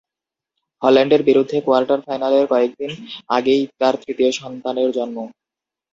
হল্যান্ডের বিরুদ্ধে কোয়ার্টার ফাইনালের কয়েকদিন আগেই তার তৃতীয় সন্তানের জন্ম।